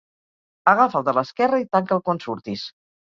Agafa el de l'esquerra i tanca'l quan surtis.